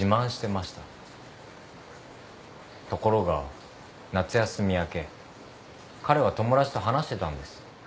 ところが夏休み明け彼は友達と話してたんです。